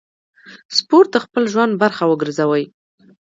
سپورت د خپل ژوند برخه وګرځوئ.